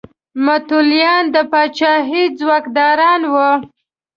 متولیان د پاچاهۍ څوکیداران وو.